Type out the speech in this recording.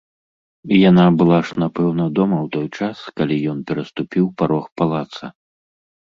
І яна была ж напэўна дома ў той час, як ён пераступіў парог палаца.